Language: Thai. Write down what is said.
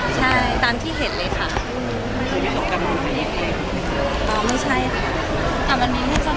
จะเป็นเหมือนรู้จัก